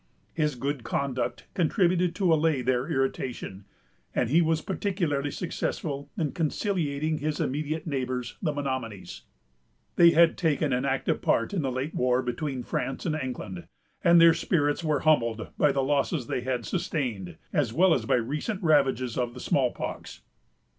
His good conduct contributed to allay their irritation, and he was particularly successful in conciliating his immediate neighbors, the Menomonies. They had taken an active part in the late war between France and England, and their spirits were humbled by the losses they had sustained, as well as by recent ravages of the small pox.